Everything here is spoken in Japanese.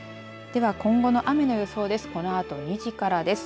では、今後の雨の予想です。